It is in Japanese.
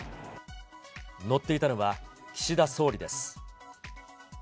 乗っていたのは、岸田総理です。